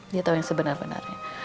dia tahu yang sebenarnya